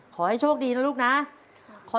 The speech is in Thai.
ขอเชิญน้องเมมาต่อชีวิตเป็นคนต่อไปครับ